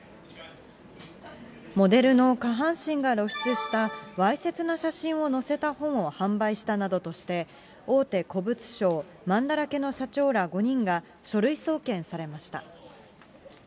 モデルの下半身が露出したわいせつな写真を載せた本を販売したなどとして、大手古物商、まんだらけの社長ら５人が、書類送検されました。